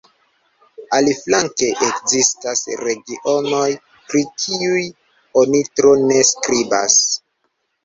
Aliflanke ekzistas regionoj, pri kiuj oni tro ne skribas.